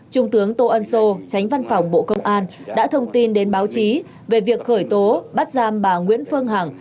trung tướng tô ân sô tránh văn phòng bộ công an đã thông tin đến báo chí về việc khởi tố bắt giam bà nguyễn phương hằng